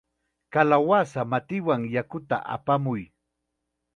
¡Kalawasa matiwan yakuta apamuy!